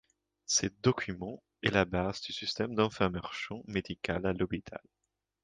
Ce document est la base du système d'information médicale à l'hôpital.